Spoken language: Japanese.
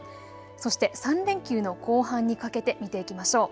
そして３連休の後半にかけて見ていきましょう。